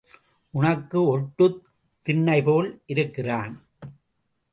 உனக்கு ஒட்டுத் திண்ணைபோல் இருக்கிறான்.